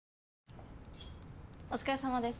お疲れさまです